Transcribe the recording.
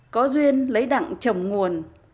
có duyên lấy đặng trồng nguồn